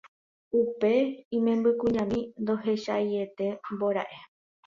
upe imembykuñami ndohechaietémbora'e.